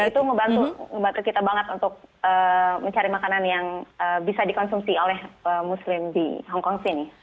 dan itu membantu membantu kita banget untuk mencari makanan yang bisa dikonsumsi oleh muslim di hongkong sini